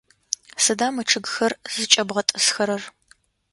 Сыда мы чъыгхэр зыкӏэбгъэтӏысхэрэр?